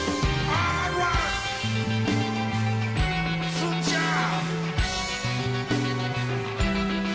つーちゃん。